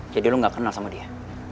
jadi lo gak kenal sama dia